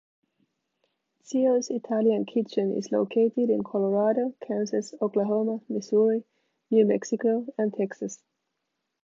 Zio's Italian Kitchen is located in Colorado, Kansas, Oklahoma, Missouri, New Mexico and Texas.